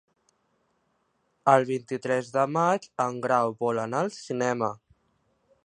El vint-i-tres de maig en Grau vol anar al cinema.